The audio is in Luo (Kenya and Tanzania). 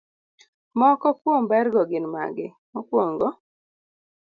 Moko kuom bergo gin magi: Mokwongo,